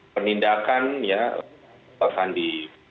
penindakan ya akan di